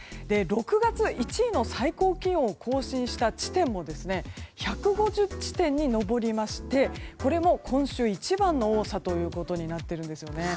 ６月１位の最高気温を更新した地点も１５０地点に上りましてこれも今週一番の多さということになっているんですよね。